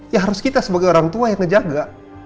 ya harus kita sebagai orang tua yang ngejaga